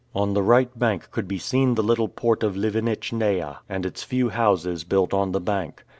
On the right bank could be seen the little port of Livenitchnaia, its church, and its few houses built on the bank.